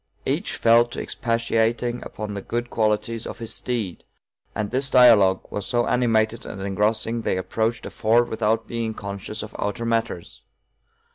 Each fell to expatiating upon the good qualities of his steed, and this dialogue was so animated and engrossing they approached a ford without being conscious of outer matters.